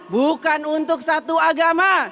bukan untuk satu agama